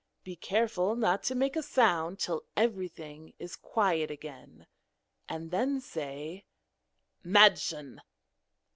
Be careful not to make a sound till everything is quiet again, and then say "Madschun!"